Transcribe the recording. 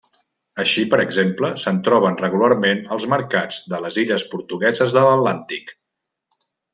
Així, per exemple, se'n troben regularment als mercats de les illes portugueses de l'Atlàntic.